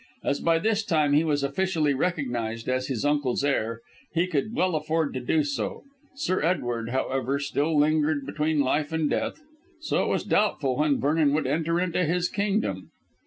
As by this time he was officially recognised as his uncle's heir he could well afford to do so. Sir Edward, however, still lingered between life and death, so it was doubtful when Vernon would enter into his kingdom.